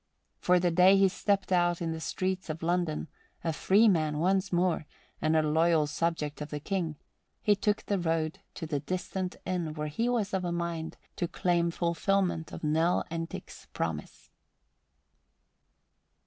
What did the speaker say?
For the day he stepped out in the streets of London, a free man once more and a loyal subject of the King, he took the road to the distant inn where he was of a mind to claim fulfillment of Nell Entick's promise.